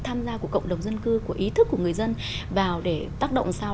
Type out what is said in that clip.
tham gia của cộng đồng dân cư của ý thức của người dân vào để tác động sao